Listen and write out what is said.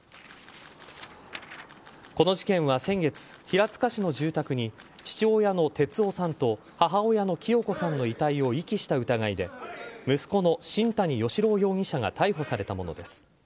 この事件は先月、平塚市の住宅に父親の哲男さんと母親の清子さんの遺体を遺棄した疑いで息子の新谷嘉朗容疑者が逮捕されたものです。